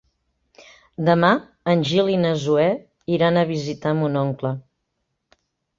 Demà en Gil i na Zoè iran a visitar mon oncle.